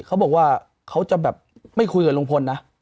เขาบอกว่าเขาจะแบบไม่คุยกับลุงพลนะ